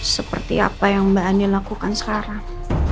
seperti apa yang mba andin lakukan sekarang